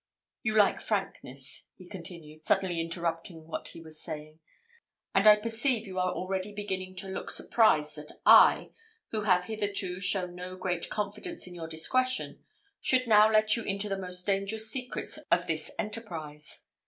You like frankness," he continued, suddenly interrupting what he was saying, "and I perceive you are already beginning to look surprised that I, who have hitherto shown no great confidence in your discretion, should now let you into the most dangerous secrets of this enterprise.